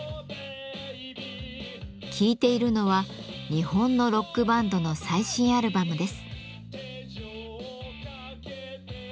聴いているのは日本のロックバンドの最新アルバムです。